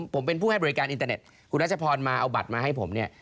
ผมเป็นผู้ให้บริการอินเตอร์เน็ตคุณรัชพรมาเอาบัตรมาให้ผมเนี่ย